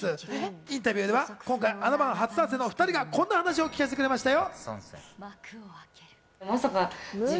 インタビューでは『あな番』初参戦のこのお２人がこんな話を聞かせてくれましたよ。